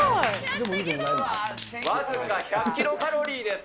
僅か１００キロカロリーです。